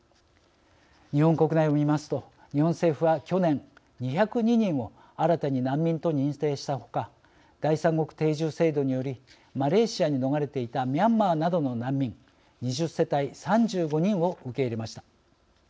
日本国内を見ますと日本政府は去年２０２人を新たに難民と認定した他第三国定住制度によりマレーシアに逃れていたミャンマーなどの難民２０世帯３５人を受け入れました。